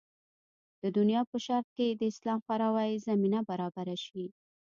د دنیا په شرق کې د اسلام خپراوي زمینه برابره شي.